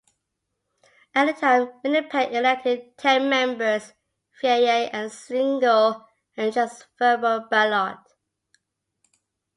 At the time, Winnipeg elected ten members via a single transferable ballot.